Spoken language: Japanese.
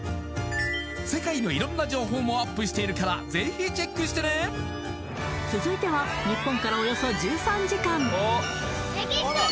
世界の色んな情報もアップしているからぜひチェックしてね続いては日本からおよそ１３時間